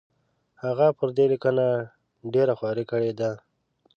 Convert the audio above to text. هغه پر دې لیکنه ډېره خواري کړې ده.